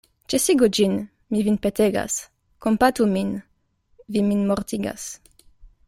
Ĉesigu ĝin, mi vin petegas; kompatu min; vi min mortigas.